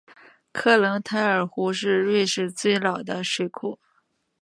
克隆泰尔湖是瑞士最老的水库。